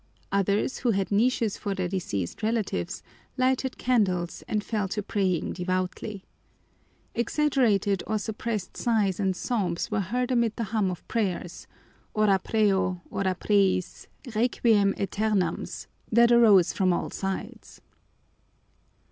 Others, who had niches for their deceased relatives, lighted candles and fell to praying devoutly. Exaggerated or suppressed sighs and sobs were heard amid the hum of prayers, orapreo, orapreiss, requiem aeternams, that arose from all sides.